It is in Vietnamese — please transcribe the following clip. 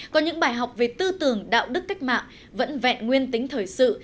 có những bài học về tư tưởng đạo đức cách mạng vẫn vẹn nguyên tính thời sự